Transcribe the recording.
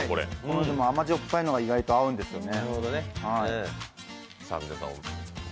甘塩っぱいのが意外と合うんですよね。